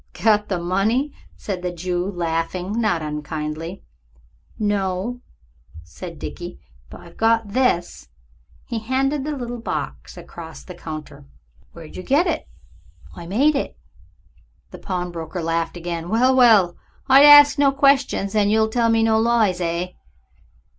"Got the money?" said the Jew, laughing not unkindly. "No," said Dickie; "but I've got this." He handed the little box across the counter. "Where'd you get it?" "I made it." The pawnbroker laughed again. "Well, well, I'll ask no questions and you'll tell me no lies, eh?"